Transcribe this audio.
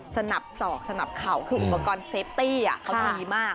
สนับสอกสนับเข่าคืออุปกรณ์เซฟตี้เขาดีมาก